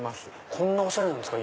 こんなおしゃれなんですか？